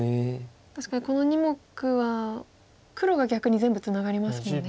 確かにこの２目は黒が逆に全部ツナがりますもんね。